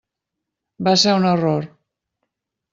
Va ser un error.